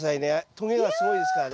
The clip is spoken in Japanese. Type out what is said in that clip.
とげがすごいですからね。